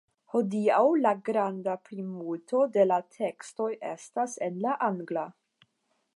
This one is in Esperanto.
Hodiaŭ la granda plimulto de la tekstoj estas en la angla.